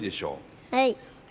はい。